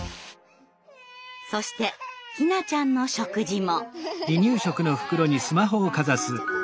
そしてひなちゃんの食事も。